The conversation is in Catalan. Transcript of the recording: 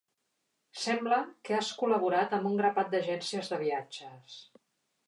Sembla que has col·laborat amb un grapat d’agències de viatges.